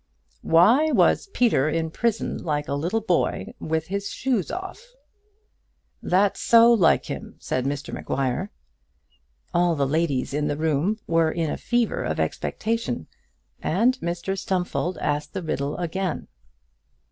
"Why was Peter in prison like a little boy with his shoes off?" "That's so like him," said Mr Maguire. All the ladies in the room were in a fever of expectation, and Mr Stumfold asked the riddle again.